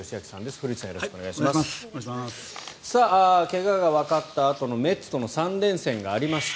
怪我がわかったあとのメッツとの３連戦がありました。